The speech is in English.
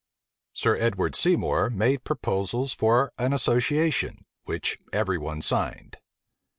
Sir Edward Seymour made proposals for an association, which every one signed.